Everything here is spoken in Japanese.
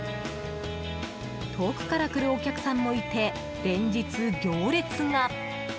遠くから来るお客さんもいて連日行列が。